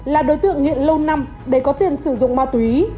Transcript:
là đối tượng nghiện lâu năm để có tiền sử dụng ma túy